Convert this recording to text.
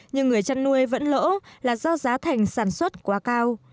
nhưng người chăn nuôi vẫn lỗ là do giá thành sản xuất quá cao